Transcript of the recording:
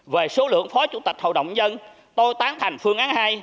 về số lượng phó chủ tịch hội đồng nhân dân tôi tán thành phương án hai